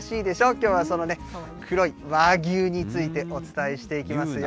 きょうはそのね、黒い和牛についてお伝えしていきますよ。